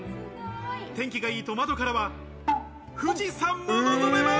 天気がいいと窓からは富士山も望めます。